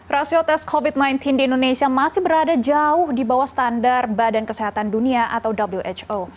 rasio tes covid sembilan belas di indonesia masih berada jauh di bawah standar badan kesehatan dunia atau who